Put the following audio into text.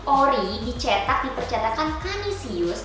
ori dicetak di percetakan kalisius